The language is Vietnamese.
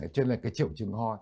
cho nên cái triệu chứng ho